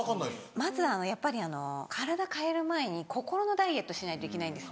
まず体変える前に心のダイエットしないといけないんですね。